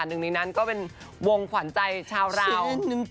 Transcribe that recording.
หนึ่งในนั้นก็เป็นวงขวัญใจชาวเรา